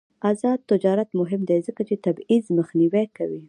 آزاد تجارت مهم دی ځکه چې تبعیض مخنیوی کوي.